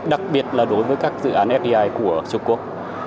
đặc biệt là đối với các dự án fdi của trung quốc